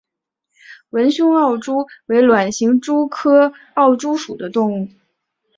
纹胸奥蛛为卵形蛛科奥蛛属的动物。